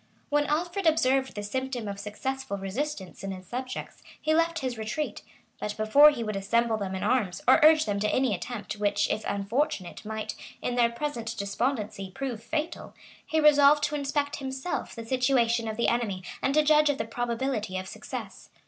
[] When Alfred observed this symptom of successful resistance in his subjects, he left his retreat; but before he would assemble them in arms, or urge them to any attempt, which, if unfortunate, might, in their present despondency, prove fatal, he resolved to inspect himself the situation of the enemy, and to judge of the probability of success.